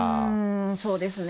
そうですね。